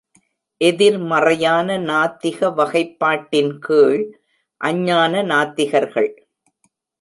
எதிர்மறையான நாத்திக வகைப்பாட்டின் கீழ், அஞ்ஞான நாத்திகர்கள்.